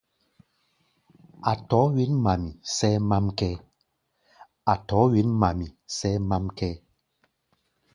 A̧ tɔ̧ɔ̧́ wěn-mami, sʼɛ́ɛ́ mám kʼɛ́ɛ́.